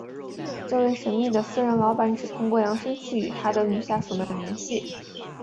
这位神秘的私人老板只通过扬声器与他的女下属们联系。